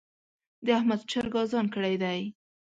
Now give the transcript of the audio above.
د احمد چرګ اذان کړی دی.